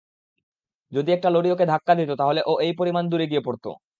যদি একটা লরি ওকে ধাক্কা দিত, তাহলে ও এই পরিমাণ দূরে গিয়ে পড়ত।